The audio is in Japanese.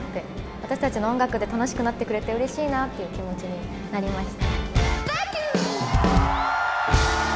私たちの音楽で楽しくなってくれてうれしいなっていう気持ちになりました。